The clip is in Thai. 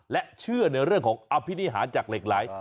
และเชื่อในเรื่องของอภินิหารจากเหล็กไหล